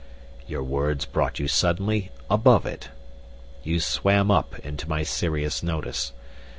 Your words brought you suddenly above it. You swam up into my serious notice.